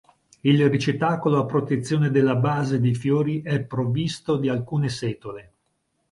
Il ricettacolo a protezione della base dei fiori è provvisto di alcune setole.